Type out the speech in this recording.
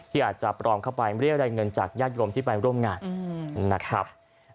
ที่อาจจะปลอมเข้าไปไม่ได้ได้เงินจากญาติโยมที่ไปร่วมงานนะครับ